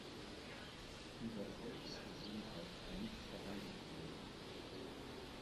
Über Volksgesundheit kann nicht verhandelt werden.